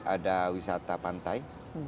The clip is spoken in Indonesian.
ada wisata pantai